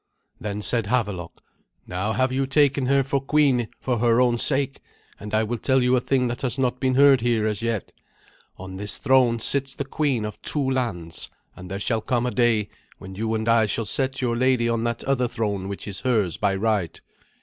Then said Havelok, "Now have you taken her for queen for her own sake, and I will tell you a thing that has not been heard here as yet. On this throne sits the queen of two lands, and there shall come a day when you and I shall set your lady on that other throne which is hers by right.